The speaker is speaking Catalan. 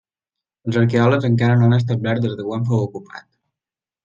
Els arqueòlegs encara no han establert des de quan fou ocupat.